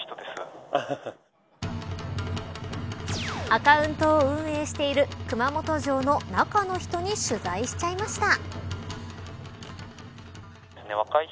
アカウントを運営している熊本城の中の人に取材しちゃいました。